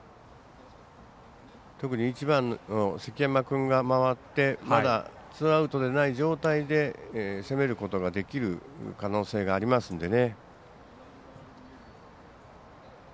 特に１番の関山君が回ってまだツーアウトでない状態で攻めることができる可能性がありますのでね。